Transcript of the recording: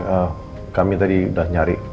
iya al kami tadi udah nyari